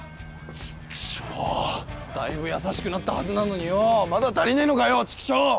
チクショウだいぶ優しくなったはずなのにようまだ足りねえのかよチクショウ！